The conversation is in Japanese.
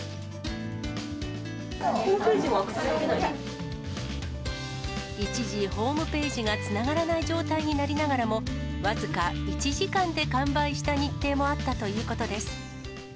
ホームページにアクセスでき一時、ホームページがつながらない状態になりながらも、僅か１時間で完売した日程もあったということです。